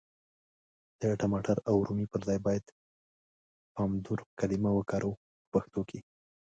د ټماټر او رومي پر ځای بايد پامدور کلمه وکاروو په پښتو کي.